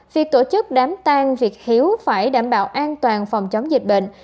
việc tổ chức đám tan việc hiếu phải đảm bảo an toàn phòng chống dịch bệnh